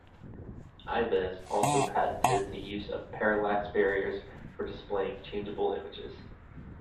Ives also patented the use of parallax barriers for displaying changeable images.